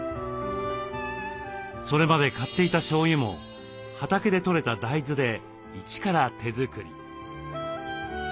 それまで買っていたしょうゆも畑でとれた大豆で一から手作り。